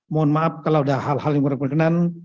mohon maaf kalau ada hal hal yang berkenan